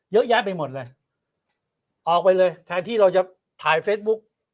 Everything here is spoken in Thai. เยอะแยะไปหมดเลยออกไปเลยแทนที่เราจะถ่ายเฟซบุ๊ก